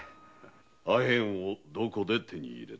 アヘンをどこで手に入れた？